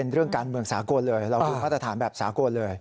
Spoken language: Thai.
เป็นเรื่องการเมืองสาโกนเลยเราคือพัฒนฐานแบบสาโกนเลย